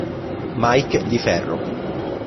Mike di ferro.